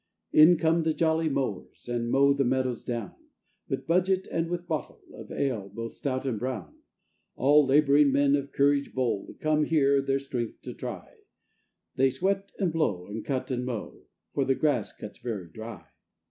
In come the jolly mowers, To mow the meadows down; With budget and with bottle Of ale, both stout and brown, All labouring men of courage bold Come here their strength to try; They sweat and blow, and cut and mow, For the grass cuts very dry.